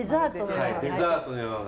はいデザートのような。